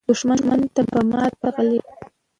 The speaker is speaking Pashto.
دښمن ته به ماته ورغلې وي.